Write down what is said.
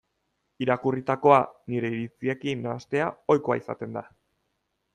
Irakurritakoa nire iritziekin nahastea ohikoa izaten da.